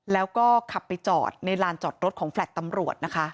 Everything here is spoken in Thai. แล้วก็ขับไปจอดในลานจอดรถของแฟลต์ตำรวจนะคะ